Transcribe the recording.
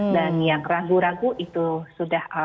dan yang ragu ragu itu sudah